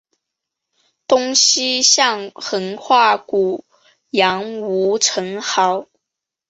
东西向横跨古杨吴城壕。